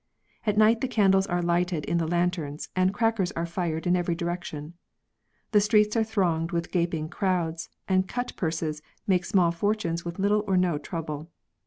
At night the candles are lighted in the lanterns, and crackers are fired in every direction. The streets are thronged with gaping crowds, and cut purses make small fortunes with little or no trouble.